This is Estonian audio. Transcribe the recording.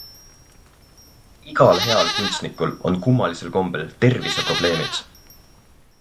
Igal heal kunstnikul on kummalisel kombel tervise probleemid.